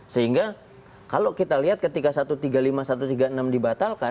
sehingga kalau kita lihat ketika satu ratus tiga puluh lima satu ratus tiga puluh enam dibatalkan